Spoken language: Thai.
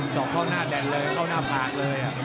สอบเข้าหน้าแด่นเลยเข้าหน้าผากเลย